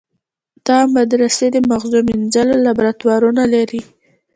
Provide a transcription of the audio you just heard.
دا مدرسې د مغزو مینځلو لابراتوارونه لري.